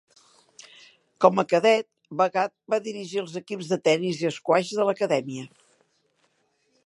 Com a cadet, Bhagat va dirigir els equips de tenis i esquaix de l'acadèmia.